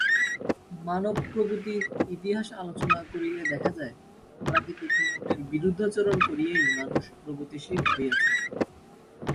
মানব-প্রগতির ইতিহাস আলোচনা করিলে দেখা যায়, প্রাকৃতিক নিয়মের বিরুদ্ধাচরণ করিয়াই মানুষ প্রগতিশীল হইয়াছে।